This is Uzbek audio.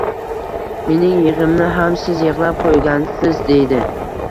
Mening yigʼimni ham siz yigʼlab qoʼygansiz, deydi.